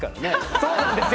そうなんですよ。